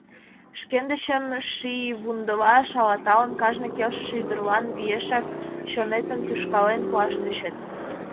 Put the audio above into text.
Шкендычым шийвундыла шалатылат, кажне келшыше ӱдырлан виешак чонетым тушкалтен пуаш тӧчет.